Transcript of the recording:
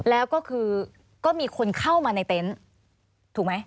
แล้วก็คือก็มีคนเข้ามาในเต็นต์ถูกไหม